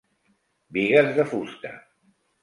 Bigues de fusta.